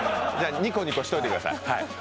ニコニコしておいてください。